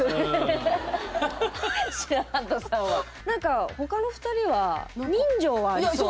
何か他の２人は人情はありそう。